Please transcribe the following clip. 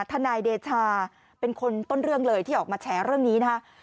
ทนายเดชาเป็นคนต้นเรื่องเลยที่ออกมาแฉเรื่องนี้นะคะ